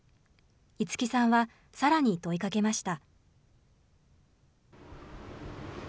樹さんは、さらに問いかけました。